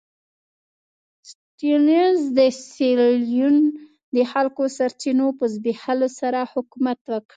سټیونز د سیریلیون د خلکو د سرچینو په زبېښلو سره حکومت وکړ.